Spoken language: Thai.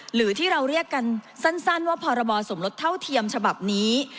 หรือที่เราเรียกกันสั้นว่าพรบสมรสเท่าเทียมฉบับนี้